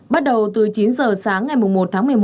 bắt đầu từ chín giờ sáng ngày một tháng một mươi một